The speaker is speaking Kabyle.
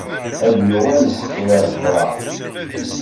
Ad d-yuɣal lḥeqq ɣer ccreɛ.